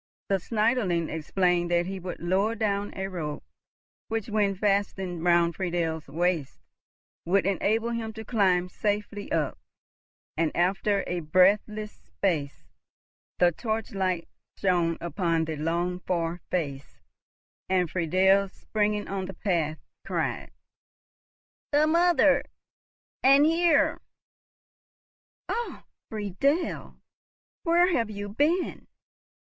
The Schneiderlein explained that he would lower down a rope, which, when fastened round Friedel's waist, would enable him to climb safely up; and, after a breathless space, the torchlight shone upon the longed for face, and Friedel springing on the path, cried, "The mother!—and here!"— "Oh, Friedel, where have you been?